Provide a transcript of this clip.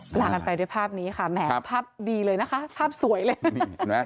หลังกันไปด้วยภาพนี้ค่ะแหมภาพดีเลยนะคะภาพสวยเลย